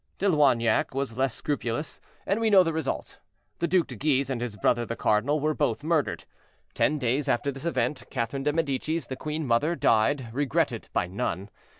De Loignac was less scrupulous, and we know the result; the Duc de Guise and his brother the cardinal were both murdered. Ten days after this event, Catherine de Medicis, the queen mother, died, regretted by none.